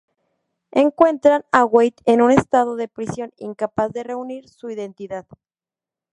Encuentran a Wade en un estado de presión, incapaz de reunir su identidad.